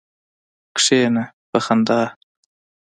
کېنه! په خندا هههه.